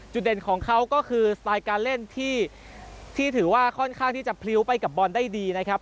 เด่นของเขาก็คือสไตล์การเล่นที่ถือว่าค่อนข้างที่จะพลิ้วไปกับบอลได้ดีนะครับ